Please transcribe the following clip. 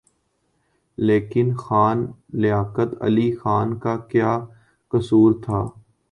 لیکن خان لیاقت علی خان کا کیا قصور تھا؟